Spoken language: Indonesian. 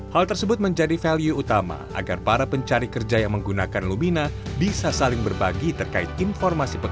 hal tersebut menjadi value utama agar para pencari kerja yang menggunakan lubina bisa saling berbagi terkait informasi